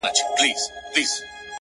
ماجبیني د مهدي حسن آهنګ یم ـ